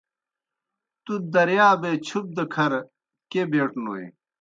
تُوْ دریابے چُپ دہ کھر کیْہ بیٹوْنوئے؟